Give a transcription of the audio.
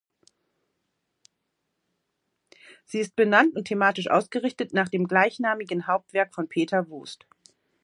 Sie ist benannt und thematisch ausgerichtet nach dem gleichnamigen Hauptwerk von Peter Wust.